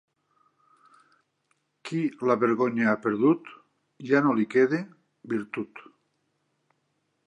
Qui la vergonya ha perdut, ja no li queda virtut.